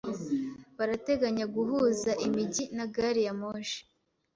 Barateganya guhuza imijyi na gari ya moshi.